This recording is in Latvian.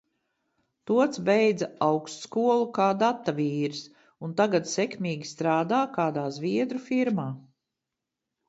Tots beidza augstskolu kā data vīrs, un tagad sekmīgi strādā kādā zviedru firmā.